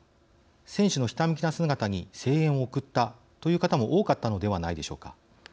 「選手のひたむきな姿に声援を送った」という方も多かったのではないでしょうか。